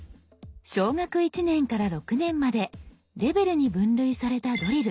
小学１年から６年までレベルに分類されたドリル。